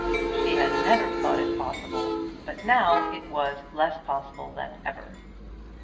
She had never thought it possible; but now it was less possible than ever.